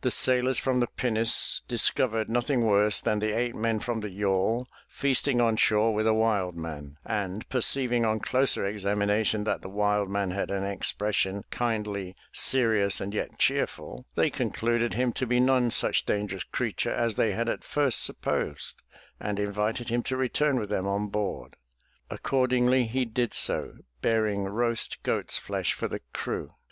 The sailors from the pinnace discovered nothing worse than the eight men from the yawl feasting on shore with a wild man, and, perceiving on closer examination that the wild man had an expression kindly, serious, and yet cheerful, they concluded him to be none such dangerous creature as they had at first sup posed and invited him to return with them on board. According ly, he did so, bearing roast goat's flesh for the crew.